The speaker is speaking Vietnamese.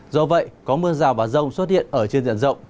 do vậy có mưa rào và rông xuất hiện ở trên diện rộng